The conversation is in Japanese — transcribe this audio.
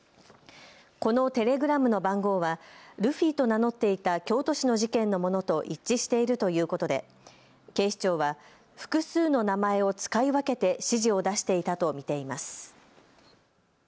このテレグラムの番号はルフィと名乗っていた京都市の事件のものと一致しているということで警視庁は複数の名前を使い分けて指示を出していたと見ています。